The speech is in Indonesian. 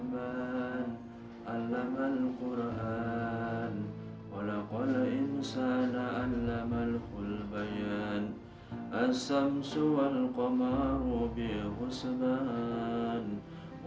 bangun album album kuran oleh alesan ala makhluk kalian the walks on deprived adjusting